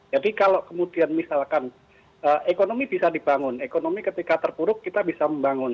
jadi kalau kemudian misalkan ekonomi bisa dibangun ekonomi ketika terpuruk kita bisa membangun